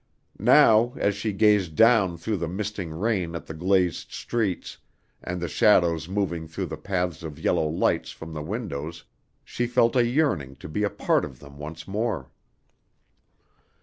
Now as she gazed down through the misting rain at the glazed streets and the shadows moving through the paths of yellow lights from the windows, she felt a yearning to be a part of them once more.